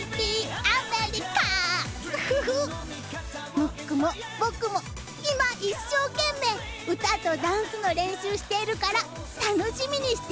ムックも僕も今一生懸命歌とダンスの練習しているから楽しみにしていてね。